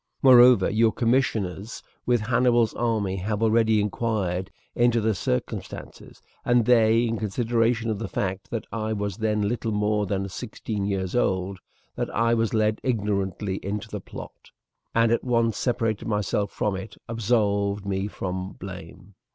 Moreover, your commissioners with Hannibal's army have already inquired into the circumstances, and they, in consideration of the fact that I was then little more than sixteen years old, that I was led ignorantly into the plot, and at once separated myself from it, absolved me from blame."